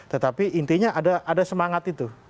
tetapi intinya ada semangat itu